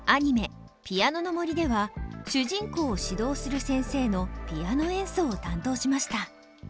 「ピアノの森」では主人公を指導する先生のピアノ演奏を担当しました。